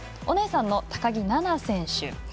お姉さんの高木菜那選手。